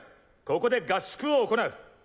ここで合宿を行う。